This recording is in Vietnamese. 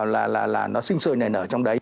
là nó sinh sôi này nở trong đấy